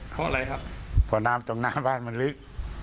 เพราะอะไรครับตรงน่าบ้านมันลึก